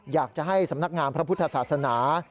อยากจะให้สำนักงานพระพุทธศาสนา